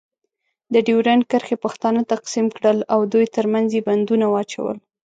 د ډیورنډ کرښې پښتانه تقسیم کړل. او دوی ترمنځ یې بندونه واچول.